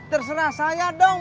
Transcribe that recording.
terserah saya dong